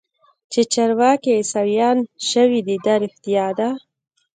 چې چارواکي عيسويان سوي دي دا رښتيا ده.